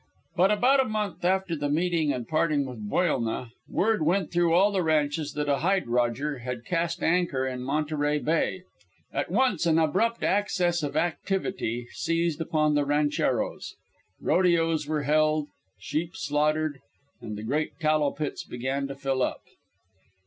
But about a month after the meeting and parting with Buelna, word went through all the ranches that a hide roger had cast anchor in Monterey Bay. At once an abrupt access of activity seized upon the rancheros. Rodeos were held, sheep slaughtered, and the great tallow pits began to fill up.